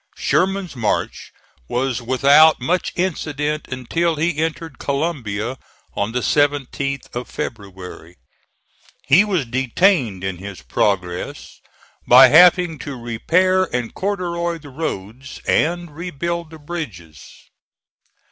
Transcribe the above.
Sherman's march was without much incident until he entered Columbia, on the 17th of February. He was detained in his progress by having to repair and corduroy the roads, and rebuild the bridges.